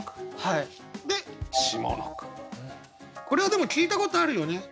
これはでも聞いたことあるよね？